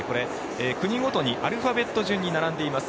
国ごとにアルファベット順に並んでいます。